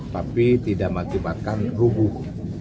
tapi tidak mengakibatkan rubuh